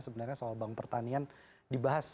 sebenarnya soal bank pertanian dibahas